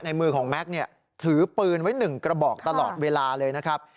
ในมือของแม็กซ์ถือปืนไว้หนึ่งกระบอกตลอดเวลาเลยนะครับ